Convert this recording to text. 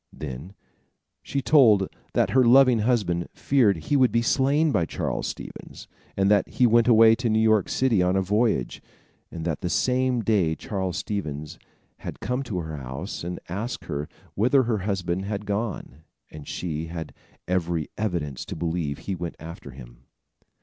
Then she told that her loving husband feared he would be slain by Charles Stevens, and that he went away to New York city on a voyage, and that the same day Charles Stevens had come to her house, and had asked her whither her husband had gone, and she had every evidence to believe he went after him.